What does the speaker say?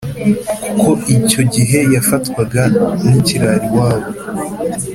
kuko icyo gihe yafatwaga nkikirara iwabo